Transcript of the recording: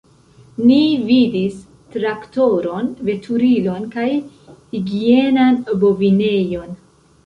Ni vidis traktoron, veturilon kaj higienan bovinejon.